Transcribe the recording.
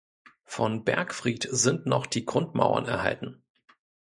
Vom Bergfried sind noch die Grundmauern erhalten.